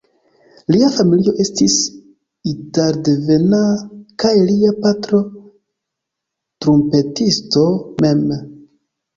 Lia familio estis italdevena kaj lia patro trumpetisto mem.